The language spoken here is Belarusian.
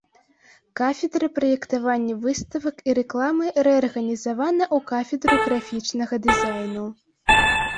Кафедра праектавання выставак і рэкламы рэарганізавана ў кафедру графічнага дызайну.